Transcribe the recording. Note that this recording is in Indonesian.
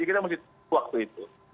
jadi kita mesti waktu itu